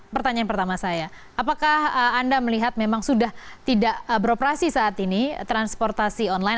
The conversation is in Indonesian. pertanyaan pertama saya apakah anda melihat memang sudah tidak beroperasi saat ini transportasi online